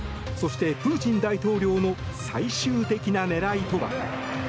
そして、プーチン大統領の最終的な狙いとは。